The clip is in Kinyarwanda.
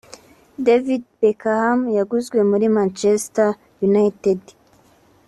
Dаvіd Весkhаm (yaguzwe muri Manchester United)